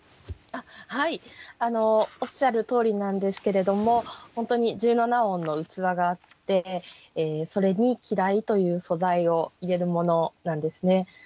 はいおっしゃるとおりなんですけれども本当に十七音の器があってそれに季題という素材を入れるものなんですね。